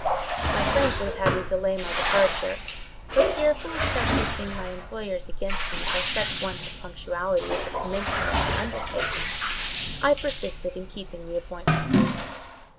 My friends would have had me delay my departure, but fearful of prejudicing my employers against me by such want of punctuality at the commencement of my undertaking, I persisted in keeping the appointment.